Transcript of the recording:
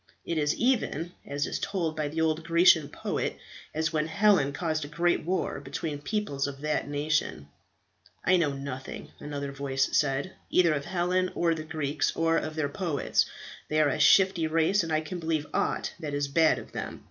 It is even, as is told by the old Grecian poet, as when Helen caused a great war between peoples of that nation." "I know nothing," another voice said, "either of Helen or the Greeks, or of their poets. They are a shifty race, and I can believe aught that is bad of them.